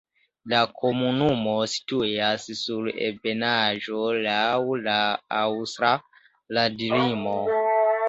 La komunumo situas sur ebenaĵo laŭ la aŭstra landlimo.